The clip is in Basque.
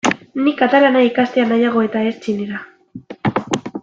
Nik katalana ikastea nahiago eta ez txinera.